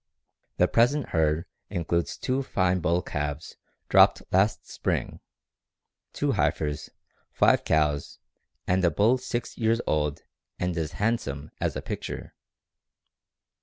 "The present herd includes two fine bull calves dropped last spring, two heifers, five cows, and a bull six years old and as handsome as a picture.